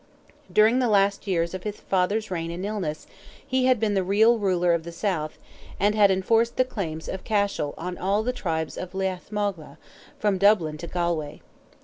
During the last years of his father's reign and illness, he had been the real ruler of the south, and had enforced the claims of Cashel on all the tribes of Leath Mogha, from Dublin to Galway.